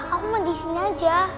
aku mau di sini aja